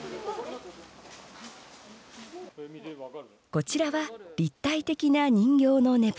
こちらは立体的な人形のねぷた。